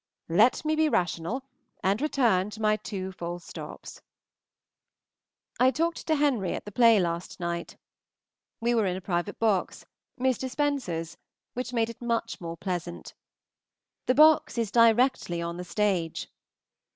Let me be rational, and return to my two full stops. I talked to Henry at the play last night. We were in a private box, Mr. Spencer's, which made it much more pleasant. The box is directly on the stage.